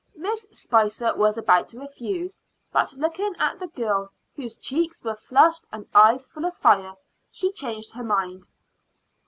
Miss Spicer was about to refuse, but looking at the girl, whose cheeks were flushed and eyes full of fire, she changed her mind.